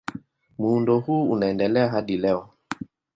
Muundo huu unaendelea hadi leo.